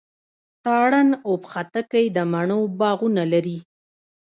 تارڼ اوبښتکۍ د مڼو باغونه لري.